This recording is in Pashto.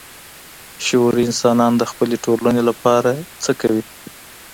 شعوري انسانان د خپلي ټولني لپاره څه کوي؟